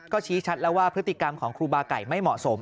ก็ชี้ชัดแล้วว่าพฤติกรรมของครูบาไก่ไม่เหมาะสม